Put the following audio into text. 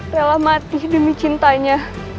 relah mati demi cintanya